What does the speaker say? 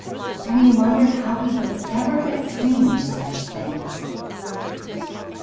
And he wondered how he could ever have dreamed such things.